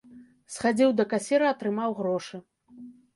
Схадзіў да касіра, атрымаў грошы.